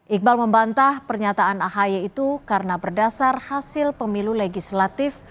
iqbal membantah pernyataan ahy itu karena berdasar hasil pemilu legislatif